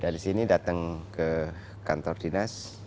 dari sini datang ke kantor dinas